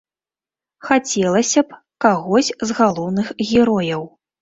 Хацелася б кагось з галоўных герояў.